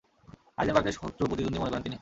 হাইজেনবার্গকে শত্রু-প্রতিদ্বন্দ্বী মনে করেন তিনি।